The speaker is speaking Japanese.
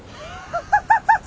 ハハハハ！